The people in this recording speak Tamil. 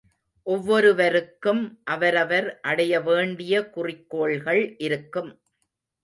ஒவ்வொருவருக்கும் அவரவர் அடைய வேண்டிய குறிக்கோள்கள் இருக்கும்.